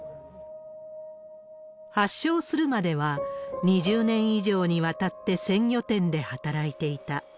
発症するまでは、２０年以上にわたって鮮魚店で働いていた。